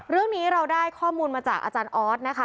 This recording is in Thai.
เรื่องนี้เราได้ข้อมูลมาจากอาจารย์ออสนะคะ